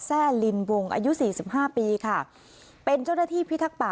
แซ่ลินวงอายุสี่สิบห้าปีค่ะเป็นเจ้าหน้าที่พิทักษ์ป่า